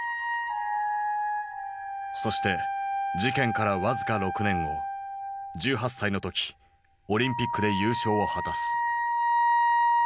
そして事件から僅か６年後１８歳の時オリンピックで優勝を果たす。